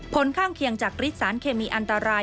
ผลข้างเคียงจากฤทธิสารเคมีอันตราย